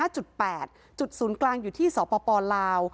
จุดศูนย์กลางอยู่ที่สปลาว